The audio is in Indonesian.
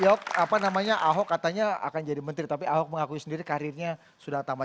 ya apa namanya ahok katanya akan jadi menteri tapi ahok mengakui sendiri karirnya sudah tambah